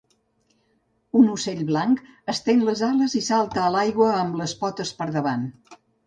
Un ocell blanc estén les ales i salta a l'aigua amb les potes per davant.